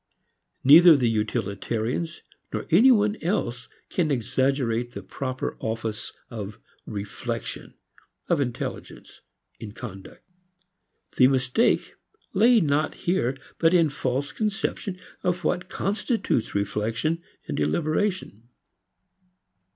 Neither the utilitarians nor any one else can exaggerate the proper office of reflection, of intelligence, in conduct. The mistake lay not here but in a false conception of what constitutes reflection, deliberation.